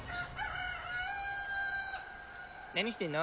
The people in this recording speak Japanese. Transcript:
何してんの？